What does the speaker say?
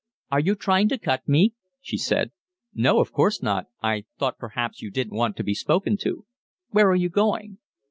"Are you trying to cut me?" she said. "No, of course not. I thought perhaps you didn't want to be spoken to." "Where are you going?"